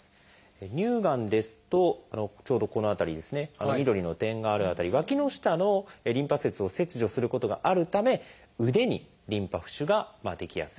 乳がんですとちょうどこの辺り緑の点がある辺りわきの下のリンパ節を切除することがあるため腕にリンパ浮腫が出来やすいと。